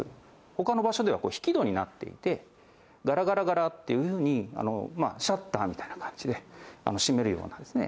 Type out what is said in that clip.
他の場所では引き戸になっていてガラガラガラっていう風にシャッターみたいな感じで閉めるようなですね